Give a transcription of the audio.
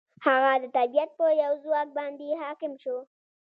هغه د طبیعت په یو ځواک باندې حاکم شو.